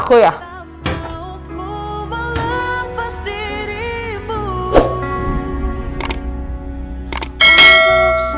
aku masih denger tau mas